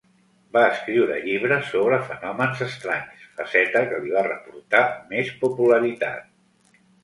Va escriure llibres sobre fenòmens estranys, faceta que li va reportar més popularitat.